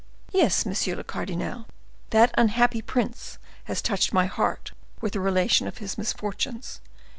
"Yes, monsieur le cardinal, that unhappy prince has touched my heart with the relation of his misfortunes.